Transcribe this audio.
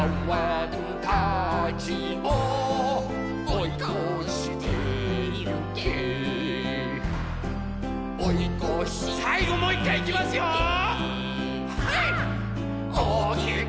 はい！